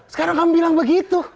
sekarang kamu bilang begitu